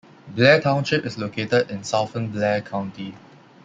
Blair Township is located in southern Blair County.